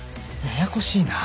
ややこしいな。